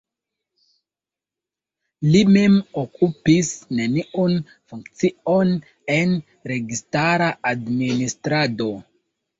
Li mem okupis neniun funkcion en registara administrado.